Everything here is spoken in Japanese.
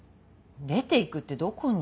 出ていくってどこに？